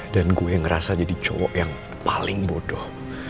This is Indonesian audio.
dan gue ngerasa jadi cowok yang paling bodoh